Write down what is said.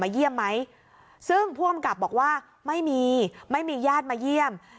เยี่ยมไหมซึ่งผู้อำกับบอกว่าไม่มีไม่มีญาติมาเยี่ยม